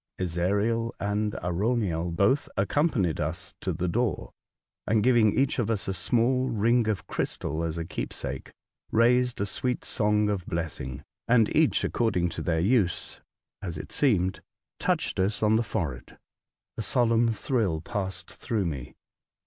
Ezariel and Arauniel both accompanied us to the door, and, giving each of us a small ring of crystal as a keepsake, raised a sweet song of blessing ; and each according to their use, as it seemed, touched us on the forehead. A solemn thrill passed through me.